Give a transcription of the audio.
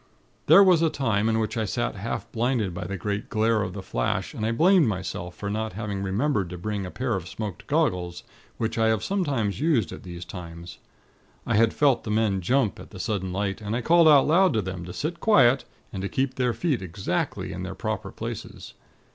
"There was a time in which I sat half blinded by the great glare of the flash, and I blamed myself for not having remembered to bring a pair of smoked goggles, which I have sometimes used at these times. I had felt the men jump, at the sudden light, and I called out loud to them to sit quiet, and to keep their feet exactly to their proper places.